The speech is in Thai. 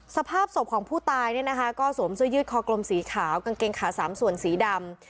สภาพศพของผู้ตายเนี่ยนะคะก็สวมเสื้อยืดคอกลมสีขาวกางเกงขาสามส่วนสีดำ